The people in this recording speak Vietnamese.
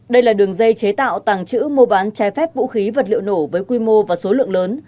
đây là đường dây chế tạo tàng trữ mua bán trái phép vũ khí vật liệu nổ với quy mô và số lượng lớn